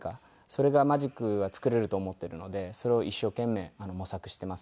それがマジックは作れると思っているのでそれを一生懸命模索しています。